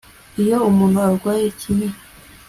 iyo umuntu arwaye ikinya